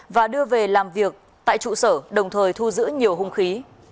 và đưa về làm việc tại trụ sở đồng thời thu giữ nhiều hung khí